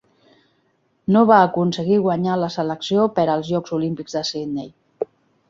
No va aconseguir guanyar la selecció per als Jocs Olímpics de Sydney.